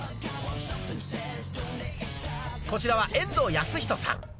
こちらは遠藤保仁さん。